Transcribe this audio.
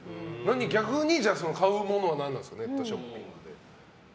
逆に買うものは何なんですかネットショッピングで。